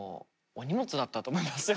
お荷物だったと思いますよ